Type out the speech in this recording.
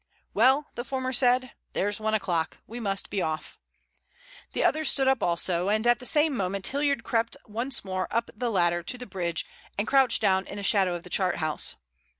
"Well," the former said, "There's one o'clock. We must be off." The others stood up also, and at the same moment Hilliard crept once more up the ladder to the bridge and crouched down in the shadow of the chart house.